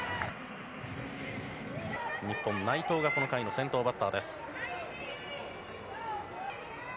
日本、内藤がこの回の先頭バッターです。